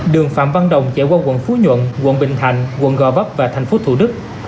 đường phạm văn đồng chạy qua quận phú nhuận quận bình thạnh quận gò vấp và thành phố thủ đức